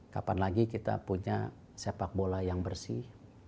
kapan lagi kita punya sepak bola yang bersih